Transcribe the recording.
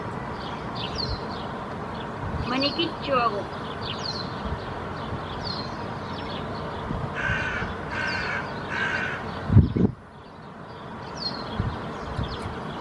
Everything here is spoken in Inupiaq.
Manikitchuaguk.